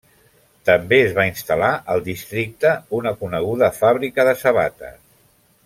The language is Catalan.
També es va instal·lar al districte una coneguda fàbrica de sabates.